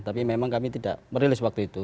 tapi memang kami tidak merilis waktu itu